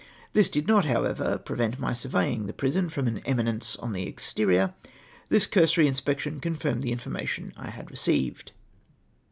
This did not, however, prevent my surveying the prison from an eminence on the exterior : this cursory inspection confirmed the information I had received.